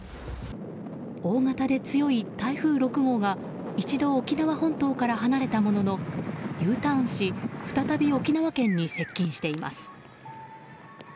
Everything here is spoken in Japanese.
大型で強い台風６号が一度、沖縄本島から離れたもののＵターンし再び沖縄県に接近しています。